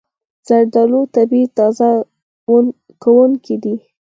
زردالو طبیعي تازه کوونکی دی.